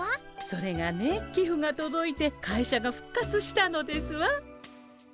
それがねきふがとどいて会社が復活したのですわ。